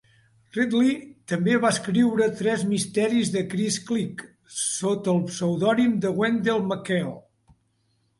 Ridley també va escriure tres misteris de Chris Klick sota el pseudònim de Wendell McCall.